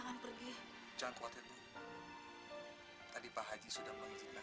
sampai jumpa di video selanjutnya